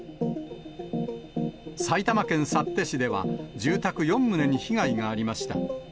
埼玉県幸手市では、住宅４棟に被害がありました。